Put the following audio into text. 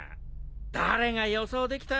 誰が予想できた？